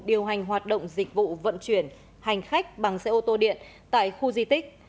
điều hành hoạt động dịch vụ vận chuyển hành khách bằng xe ô tô điện tại khu di tích